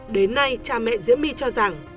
đến nay cha mẹ diễm my cho rằng